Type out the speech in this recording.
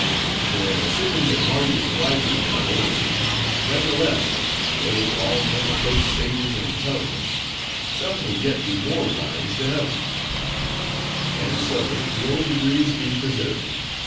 For, assuming that Mardi is wiser than of old; nevertheless, though all men approached sages in intelligence, some would yet be more wise than others; and so, the old degrees be preserved.